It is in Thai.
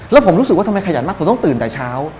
แล้วผมรู้สึกว่าทำไมขยันมากผมต้องตื่นแต่เช้า